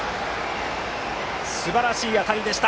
すばらしい当たりでした。